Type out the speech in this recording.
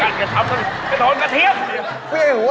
พี่เขาหัวแตก่ว่า